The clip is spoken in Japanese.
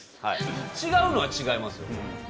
違うのは違いますよね。